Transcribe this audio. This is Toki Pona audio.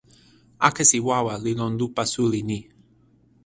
akesi wawa li lon lupa suli ni.